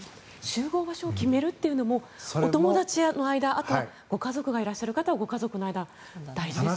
集合場所を決めるというのも、友達の間あとはご家族がいらっしゃる方はご家族の間では大事ですね。